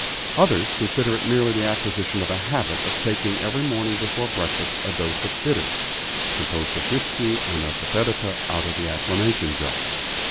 Others consider it merely the acquisition of a habit of taking every morning before breakfast a dose of bitters, composed of whiskey and assafoetida, out of the acclimation jug.